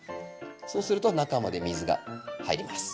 そうすると中まで水が入ります。